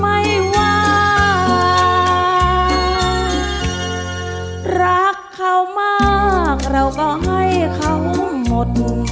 ไม่ว่ารักเขามากเราก็ให้เขาหมด